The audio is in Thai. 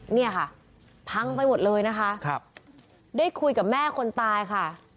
เนี่ยค่ะพังไปหมดเลยนะคะครับได้คุยกับแม่คนตายค่ะ